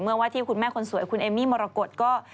ว่าที่คุณแม่คนสวยคุณเอมมี่มรกฏก็